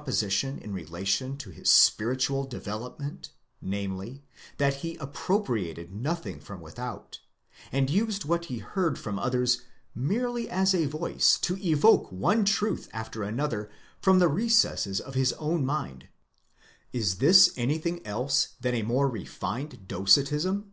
position in relation to his spiritual development, namely, that he appropriated nothing from without, and used what he heard from others merely as a voice to evoke one truth after another from the recesses of his own mind—is this anything else thana more refined Docetism?